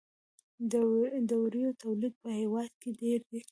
د وړیو تولید په هیواد کې ډیر دی